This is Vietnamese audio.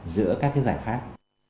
giữa các cái giải pháp